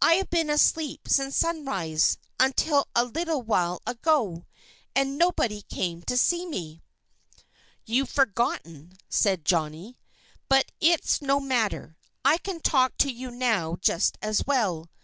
"I've been asleep since sunrise until a little while ago. And nobody came to see me." "You've forgotten," said Jolly. "But it's no matter. I can talk to you now just as well.